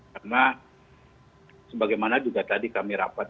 karena sebagaimana juga tadi kami rapat